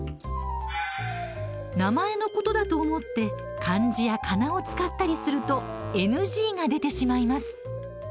名前のことだと思って漢字や、かなを使ったりするとＮＧが出てしまいます。